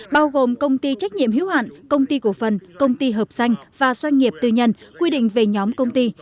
bao gồm công ty trách nhiệm hiếu hạn công ty cổ phần công ty hợp danh và doanh nghiệp tư nhân quy định về nhóm công ty